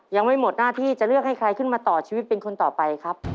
ยังไม่หมดหน้าที่จะเลือกให้ใครขึ้นมาต่อชีวิตเป็นคนต่อไปครับ